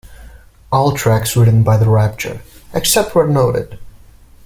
All tracks written by The Rapture, except where noted.